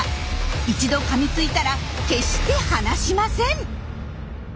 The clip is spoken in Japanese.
一度かみついたら決して離しません。